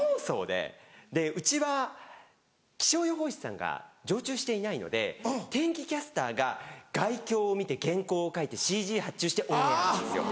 でうちは気象予報士さんが常駐していないので天気キャスターが概況を見て原稿を書いてＣＧ発注してオンエアなんですよ。